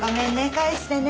返してね。